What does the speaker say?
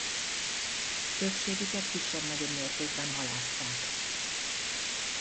Többségüket kisebb-nagyobb mértékben halásszák.